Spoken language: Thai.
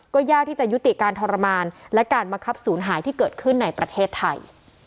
ก็ยากที่จะยุติการทรมานและการบังคับศูนย์หายที่เกิดขึ้นในประเทศไทย